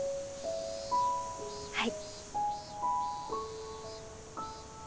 はい。